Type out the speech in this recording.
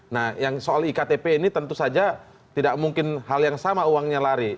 nah yang soal iktp ini tentu saja tidak mungkin hal yang sama uangnya lari